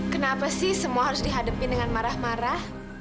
kenapa sih semua harus dihadapin dengan marah marah